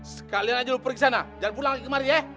sekalian aja lu periksa nah jangan pulang kemarin ya